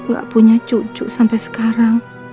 gak punya cucu sampai sekarang